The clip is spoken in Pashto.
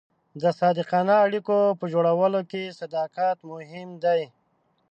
د صادقانه اړیکو په جوړولو کې صداقت مهم دی.